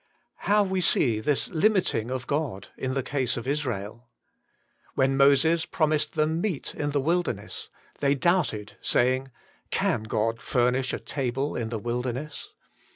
68 WAITING ON GODt How we see this limiting of God in the case of Israel 1 When Moses promised them meat in the wilderness, they doubted, saying, * Can God furnish a table in the wilderness?